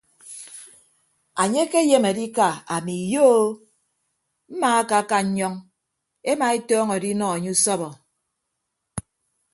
Anye ke ayem adika ami iyo o mmaakaka nnyọñ ema etọñọ adinọ enye usọbọ.